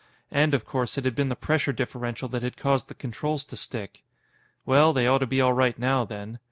And, of course, it had been the pressure differential that had caused the controls to stick. Well, they ought to be all right now, then.